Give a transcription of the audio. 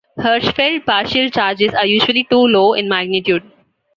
Hirshfeld partial charges are usually too low in magnitude.